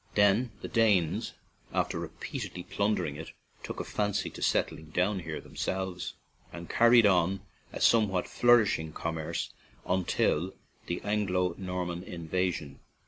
Then the Danes, after repeatedly plunder ing it, took a fancy to settling down here 130 CORK AND QUEENSTOWN themselves, and carried on a somewhat flourishing commerce until the Anglo Norman invasion.